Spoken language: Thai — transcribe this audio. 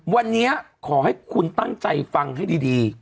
วันนี้ขอให้คุณตั้งใจฟังให้ดี